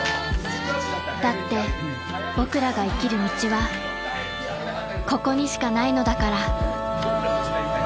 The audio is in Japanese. ［だって僕らが生きる道はここにしかないのだから］